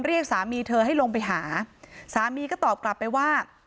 เรียกสามีเธอให้ลงไปหาสามีก็ตอบกลับไปว่า